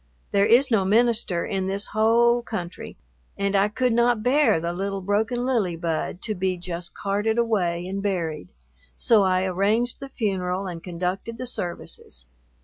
There is no minister in this whole country and I could not bear the little broken lily bud to be just carted away and buried, so I arranged the funeral and conducted the services.